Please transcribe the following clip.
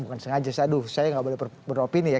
bukan sengaja saya aduh saya nggak boleh beropini ya